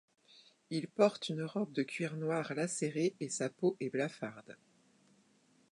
Il porte une robe de cuir noir lacérée et sa peau est blafarde.